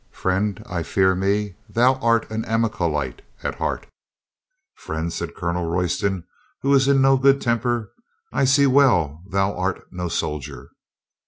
"Friend, I fear me thou art an Amalekite at heart" "Friend," said Colonel Royston, who was in no good temper, "I see well thou art no soldier."